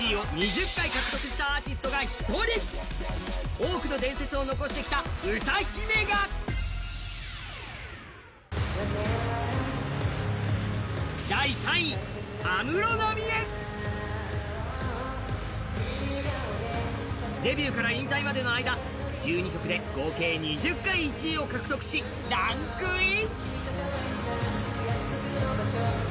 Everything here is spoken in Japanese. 多くの伝説を残してきた歌姫がデビューから引退までの間、１２曲で合計２０回１位を獲得しランクイン。